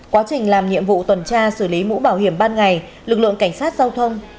quá trình làm nhiệm vụ tuần tra xử lý mũ bảo hiểm ban ngày lực lượng cảnh sát giao thông